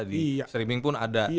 di streaming pun ada